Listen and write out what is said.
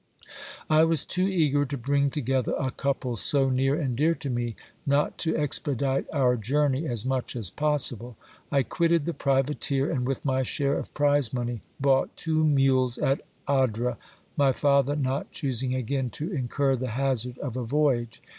I was too eager to bring together a couple so near and dear to me, not to expedite our journey as much as possible. I quitted the privateer, and with my share of prize money bought two mules at Adra, my father not choosing again to incur the hazard of a voyage.